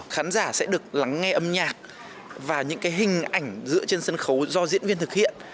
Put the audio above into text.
khán giả sẽ được lắng nghe âm nhạc và những cái hình ảnh giữa trên sân khấu do diễn viên thực hiện